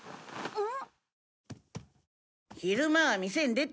うん。